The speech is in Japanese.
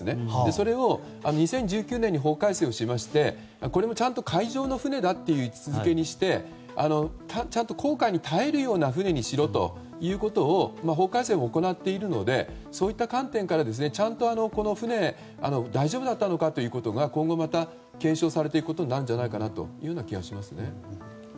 それを２０１９年に法改正をしましてこれもちゃんと海上の船だという位置づけにしてちゃんと航海に耐えるような船にしろということを法改正を行っているのでそういった観点からちゃんと船は大丈夫だったのかということが今後、また検証されていくような気がしますね。